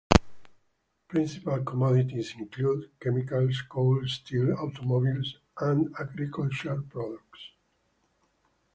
Principal commodities include chemicals, coal, steel, automobiles, and agricultural products.